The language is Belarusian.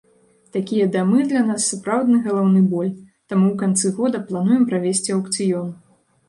Такія дамы для нас сапраўдны галаўны боль, таму ў канцы года плануем правесці аўкцыён.